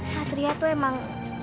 satria tuh emang